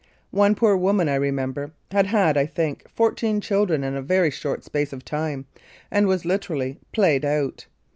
One poor woman, I remember, had had, I think, fourteen children in a very short space of time, and was literally "played out."